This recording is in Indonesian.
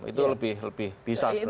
itu lebih bisa sebenarnya